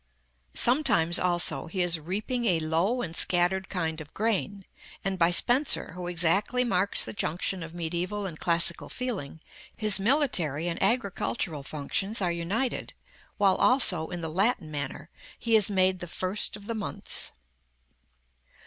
Sometimes, also, he is reaping a low and scattered kind of grain; and by Spenser, who exactly marks the junction of mediæval and classical feeling, his military and agricultural functions are united, while also, in the Latin manner, he is made the first of the months.